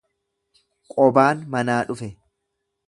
Qobaan manaa dhufe.